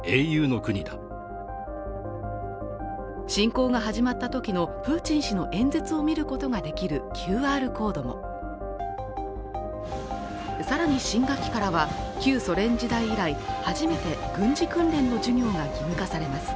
侵攻が始まった時のプーチン氏の演説を見ることができるＱＲコードもさらに新学期からは旧ソ連時代以来初めて軍事訓練の授業が義務化されます